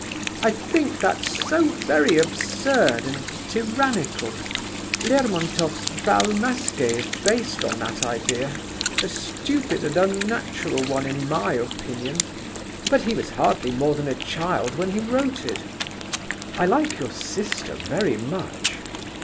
I think that so very absurd and tyrannical. Lermontoff's Bal Masque is based on that idea—a stupid and unnatural one, in my opinion; but he was hardly more than a child when he wrote it." "I like your sister very much."